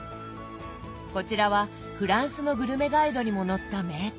こちらはフランスのグルメガイドにも載った名店。